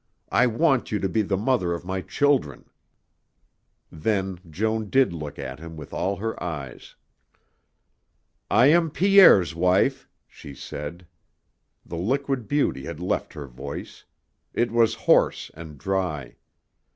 I want you to be the mother of my children." Then Joan did look at him with all her eyes. "I am Pierre's wife," she said. The liquid beauty had left her voice. It was hoarse and dry.